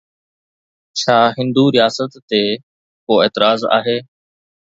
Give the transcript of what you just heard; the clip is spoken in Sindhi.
ڇا هندو رياست تي ڪو اعتراض آهي؟